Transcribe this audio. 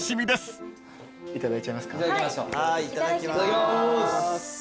いただきます。